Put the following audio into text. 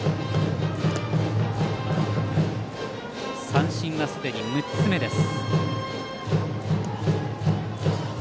三振はすでに６つ目です。